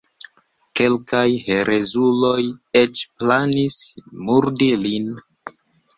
Kelkaj herezuloj eĉ planis murdi lin.